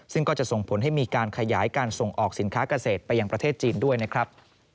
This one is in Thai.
ซึ่งก็จะส่งผลให้มีการขยายการส่งออกสินค้าเกษตรไปยังประเทศจีนด้วยนะครับ